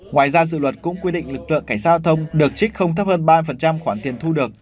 ngoài ra dự luật cũng quy định lực lượng cảnh sát giao thông được trích không thấp hơn ba khoản tiền thu được